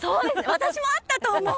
私も合ったと思う。